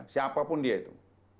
siapapun dia itu